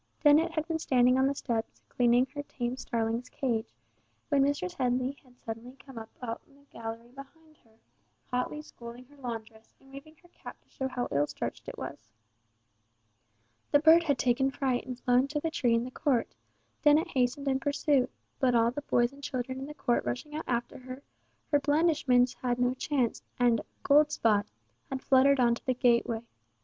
Dennet had been standing on the steps cleaning her tame starling's cage, when Mistress Headley had suddenly come out on the gallery behind her, hotly scolding her laundress, and waving her cap to show how ill starched it was. The bird had taken fright and flown to the tree in the court; Dennet hastened in pursuit, but all the boys and children in the court rushing out after her, her blandishments had no chance, and "Goldspot" had fluttered on to the gateway.